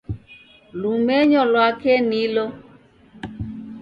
Lumenyo lwake nilo